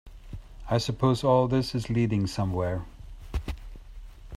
I suppose all this is leading somewhere?